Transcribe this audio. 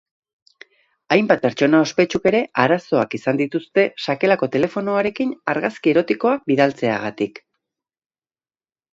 Hainbat pertsona ospetsuk ere arazoak izan dituzte sakelako telefonoarekin argazki erotikoak bidaltzeagatik.